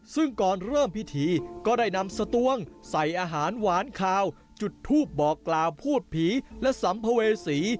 ซึ่งก่อนเริ่มพิธีก็ได้นำสตวงใส่อาหารหวานคาวจุดทูปบอกกล่าวพูดผีและสัมภเวษี